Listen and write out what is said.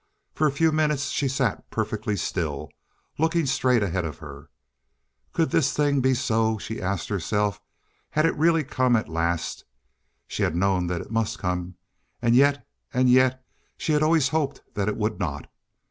For a few minutes she sat perfectly still, looking straight ahead of her. Could this thing be so? she asked herself. Had it really come at last? She had known that it must come, and yet—and yet she had always hoped that it would not.